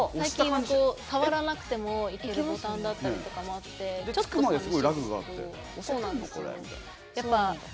最近、押さなくてもいけるボタンだったりとかもあって、ちょっとさみしいです。